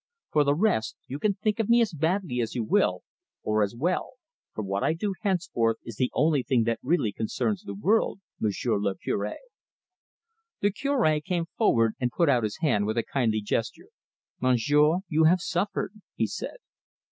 For the rest, you can think of me as badly as you will, or as well, for what I do henceforth is the only thing that really concerns the world, Monsieur le Cure." The Cure came forward and put out his hand with a kindly gesture. "Monsieur, you have suffered," he said.